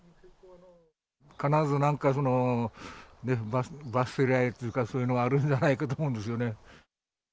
必ずなんかその罰せられるというか、そういうのがあるんじゃないかと思うんですよね。